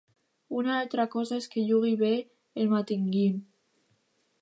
Una altra cosa és que jugui bé i el mantinguin.